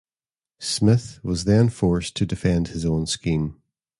Smith was then forced to defend his own scheme.